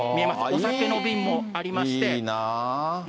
お酒の瓶もありまして。